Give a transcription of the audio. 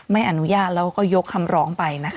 ไม่อนุญาตแล้วก็ยกคำร้องไปนะคะ